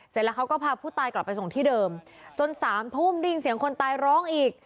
เสร็จแล้วเขาก็พาผู้ตายกลับไปส่งที่เดิมจน๓ทุ่มได้ยินเสียงคนตายร้องอีก